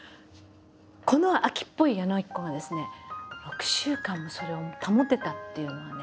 この飽きっぽい矢野顕子がですね６週間もそれを保てたっていうのはねすごいことだと。